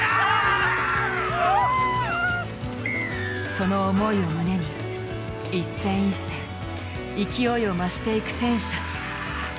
その思いを胸に一戦一戦勢いを増していく選手たち。